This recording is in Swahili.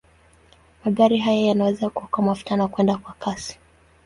Magari haya yanaweza kuokoa mafuta na kwenda kwa kasi.